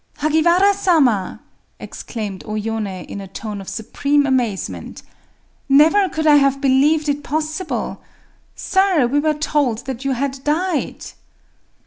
"Hagiwara Sama!" exclaimed O Yoné in a tone of supreme amazement. "Never could I have believed it possible!… Sir, we were told that you had died."